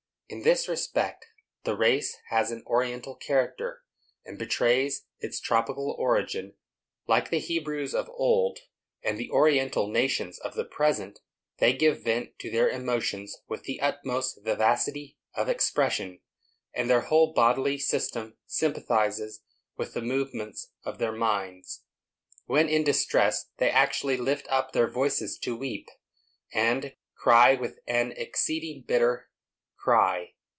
In this respect the race has an oriental character, and betrays its tropical origin. Like the Hebrews of old and the oriental nations of the present, they give vent to their emotions with the utmost vivacity of expression, and their whole bodily system sympathizes with the movements of their minds. When in distress, they actually lift up their voices to weep, and "cry with an exceeding bitter cry."